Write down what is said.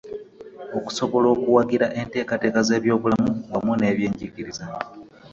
Okusobola okuwagira enteekateeka z'ebyobulamu wamu n'ebyenjigiriza.